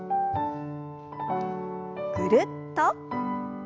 ぐるっと。